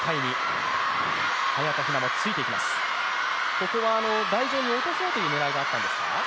ここは台上に落とそうという狙いがあったんですか？